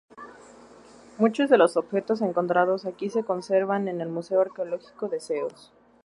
Muchos de los objetos encontrados aquí se conservan en el Museo Arqueológico de Ceos.